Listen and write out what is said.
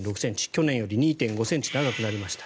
去年より２．５ｃｍ長くなりました。